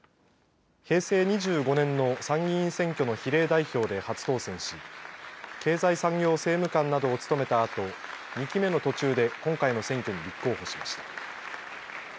平成２５年の参議院選挙の比例代表で初当選し経済産業政務官などを務めたあと２期目の途中で今回の選挙に立候補しました。